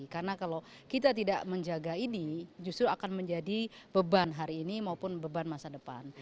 karena kalau kita tidak menjaga ini justru akan menjadi beban hari ini maupun beban masa depan